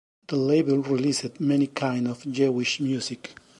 The label released many kinds of Jewish music.